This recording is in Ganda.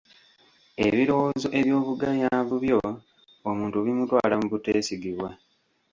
Ebirowoozo eby'obugayaavu byo omuntu bimutwala mu buteesigibwa.